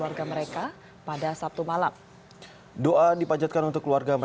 yang selanjutnya semoga ke tourisme